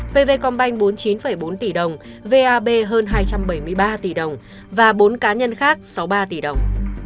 pv combine bốn mươi chín bốn tỷ đồng vab hơn hai trăm bảy mươi ba tỷ đồng và bốn cá nhân khác sáu mươi ba tỷ đồng